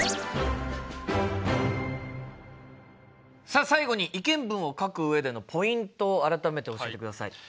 さあ最後に意見文を書く上でのポイントを改めて教えてください。